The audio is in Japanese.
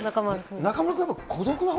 中丸君の。